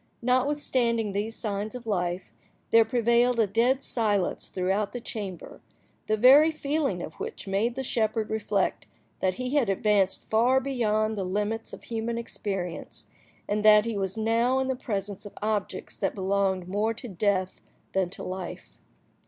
Notwithstanding these signs of life, there prevailed a dead silence throughout the chamber, the very feeling of which made the shepherd reflect that he had advanced far beyond the limits of human experience, and that he was now in the presence of objects that belonged more to death than to life.